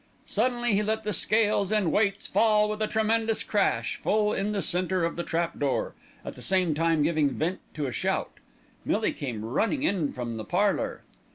Suddenly he let the scales and weights fall with a tremendous crash, full in the centre of the trap door, at the same time giving vent to a shout. Millie came running in from the parlour.